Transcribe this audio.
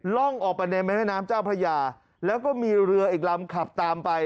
ร่องออกไปในแม่น้ำเจ้าพระยาแล้วก็มีเรืออีกลำขับตามไป